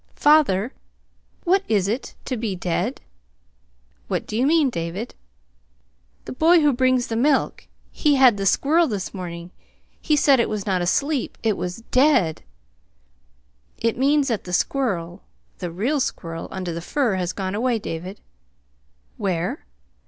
"Father, what is it to be dead?" "What do you mean, David?" "The boy who brings the milk he had the squirrel this morning. He said it was not asleep. It was dead." "It means that the squirrel, the real squirrel under the fur, has gone away, David." "Where?"